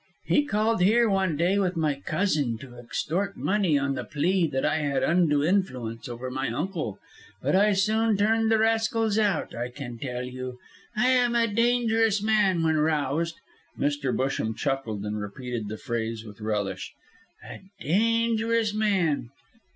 He called here one day with my cousin to extort money on the plea that I had undue influence over my uncle, but I soon turned the rascals out, I can tell you. I am a dangerous man when roused." Mr. Busham chuckled, and repeated the phrase with relish. "A dangerous man."